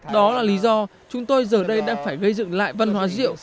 đó là lý do chúng tôi giờ đây đang phải gây dựng lại văn hóa rượu